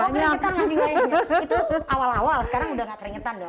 oh keringetan gak sih wai itu awal awal sekarang udah gak keringetan dong